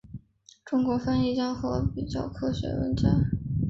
中国翻译家和比较文学家。